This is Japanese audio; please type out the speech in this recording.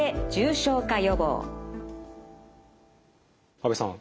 阿部さん